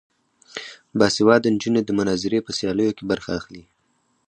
باسواده نجونې د مناظرې په سیالیو کې برخه اخلي.